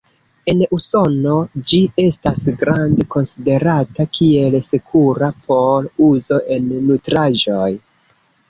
En Usono ĝi estas grande konsiderata kiel sekura por uzo en nutraĵoj.